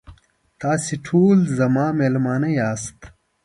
تاسې ټول زما میلمانه یاست.